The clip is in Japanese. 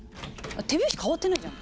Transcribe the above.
手拍子変わってないじゃん。